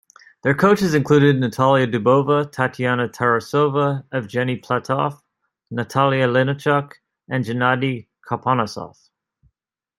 Their coaches included Natalia Dubova, Tatiana Tarasova, Evgeni Platov, Natalia Linichuk and Gennadi Karponosov.